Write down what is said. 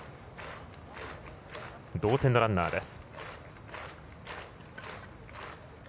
同点のランナーです。